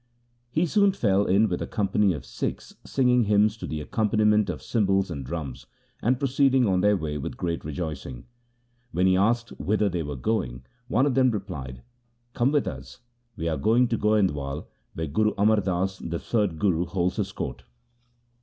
He soon fell in with a company of Sikhs singing hymns to the accompaniment of cymbals and drums, and proceeding on their way with great rejoicing. When he asked whither they were going, one of them replied, ' Come with us, we are going to Goind wal where Guru Amar Das, the third Guru, holds his court.